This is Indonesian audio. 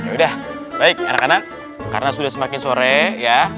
udah baik anak anak karena sudah semakin sore ya